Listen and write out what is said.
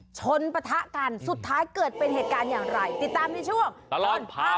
ปะทะกันสุดท้ายเกิดเป็นเหตุการณ์อย่างไรติดตามในช่วงตลอดพา